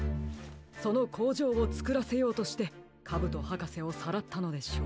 そのこうじょうをつくらせようとしてカブトはかせをさらったのでしょう。